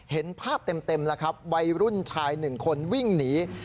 เห็นภาพเต็มแล้วครับวัยรุ่นชายหนึ่งคนวิ่งหนี